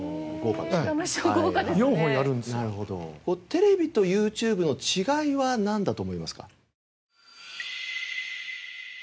テレビとＹｏｕＴｕｂｅの違いはなんだと思いますか？